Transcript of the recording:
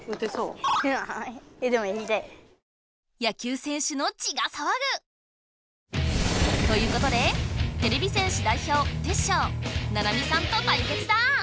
野球選手の血がさわぐ！ということでてれび戦士だいひょうテッショウななみさんと対決だ！